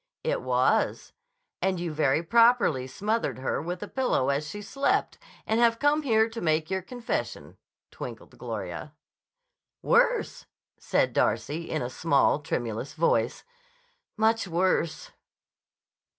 "It was. And you very properly smothered her with a pillow as she slept and have come here to make your confession," twinkled Gloria. "Worse," said Darcy in a small, tremulous voice. "Much worse."